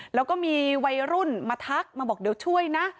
แล้วก็มีวัยรุ่นมาทักมาบอกเดี๋ยวช่วยนะ